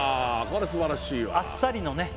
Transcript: これすばらしいわあっさりのね